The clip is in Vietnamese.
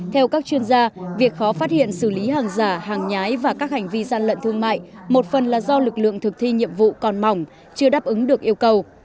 theo các chuyên gia việc khó phát hiện xử lý hàng giả hàng nhái và các hành vi gian lận thương mại một phần là do lực lượng thực thi nhiệm vụ còn mỏng chưa đáp ứng được yêu cầu